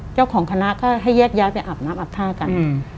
เจ้าของคณะก็ให้แยกย้ายไปอาบน้ำอาบท่ากัน